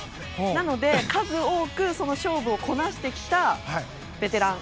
なので、数多く勝負をこなしてきたベテラン。